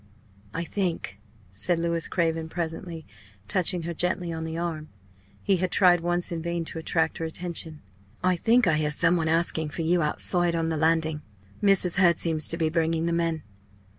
"I think," said Louis Craven presently, touching her gently on the arm he had tried once in vain to attract her attention "I think I hear some one asking for you outside on the landing Mrs. Hurd seems to be bringing them in."